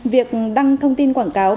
việc đăng thông tin quảng cáo